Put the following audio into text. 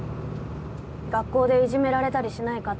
学校でいじめられたりしないかって。